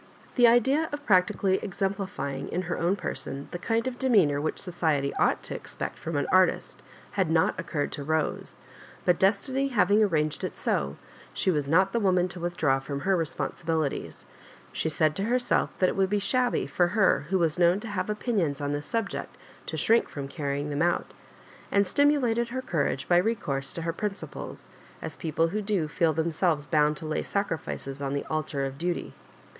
The idea of practically exemplifying, in her own person, the kind of demeanour which society ought to expect fh>m an artist had not occurred to Bose; but destiny having arranged it so, she was not the woman to withdraw from her responsibilitiefl. She said to herself that it would be shabby for her who was known to have opinions on tiiis subject^ to shrink from carrying them out; and stimulated her courage by recourse to her principles, as people do who feel themselves bound to lay sacrifices on the altar of duty.